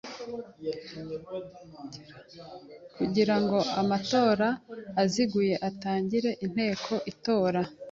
Kugira ngo amatora aziguye atangire inteko itora